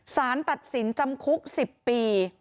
สารตัดสินจำคุก๑๐ปี